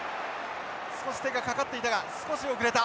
少し手がかかっていたが少し遅れた。